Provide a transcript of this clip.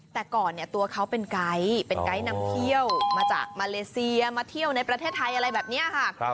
แต่ก่อนเนี่ยตัวเขาเป็นไกด์เป็นไกด์นำเที่ยวมาจากมาเลเซียมาเที่ยวในประเทศไทยอะไรแบบนี้ค่ะ